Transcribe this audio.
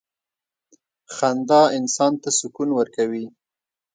• خندا انسان ته سکون ورکوي.